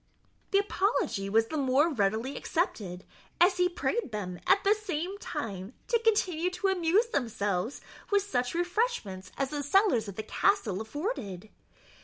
The apology was the more readily accepted, as he prayed them, at the same time, to continue to amuse themselves with such refreshments as the cellars of the castle afforded.